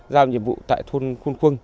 giao nhiệm vụ tại thôn khuôn khuôn